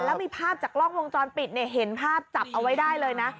แล้วภาพจากร่องวงจรปิดเห็นภาพจับเอาไว้ได้เลยนะ